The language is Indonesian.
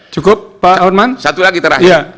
cukup pak horman satu lagi terakhir